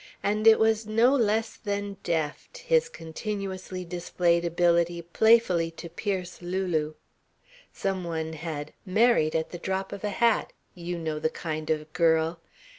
And it was no less than deft, his continuously displayed ability playfully to pierce Lulu. Some one had "married at the drop of the hat. You know the kind of girl?"